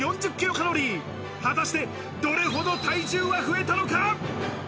果たしてどれほど体重は増えたのか。